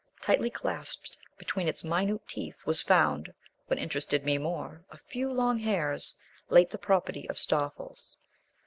Tightly clasped between its minute teeth was found (what interested me more) a few long hairs, late the property of Stoffles.